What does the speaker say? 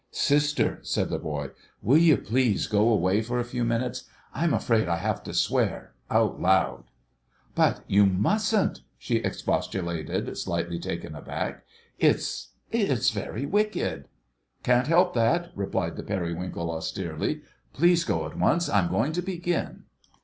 "Sister," said the boy, "will you please go away for a few minutes. I'm afraid I have to swear—out loud." "But you mustn't," she expostulated, slightly taken aback. "It's—it's very wicked." "Can't help that," replied the Periwinkle austerely. "Please go at once; I'm going to begin."